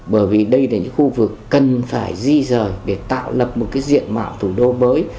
bởi vì đây là những khu vực cần phải di rời để tạo lập một diện mạo thủ đô mới